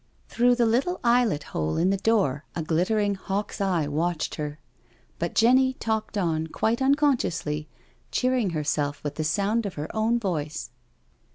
Through the little eyelet hole in the door a glittering hawk's eye watched her. But Jenny talked on quite unconsciously, cheering herself with the sound of her own voice.